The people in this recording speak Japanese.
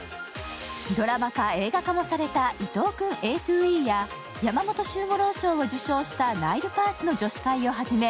ドラマ化、映画化もされた「伊藤くんＡｔｏＥ」や山本周五郎賞を受賞した「ナイルパーチの女子会」をはじめ